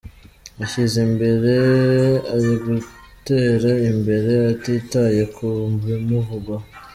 ashyize imbere ari ugutera imbere atitaye ku bimuvugwaho.